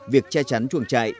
việc che chắn chuồng trại